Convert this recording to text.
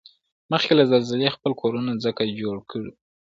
مخکې له زلزلې خپل کورنه څنګه جوړ کوړو؟